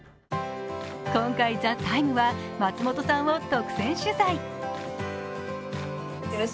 今回「ＴＨＥＴＩＭＥ，」は松本さんを独占取材。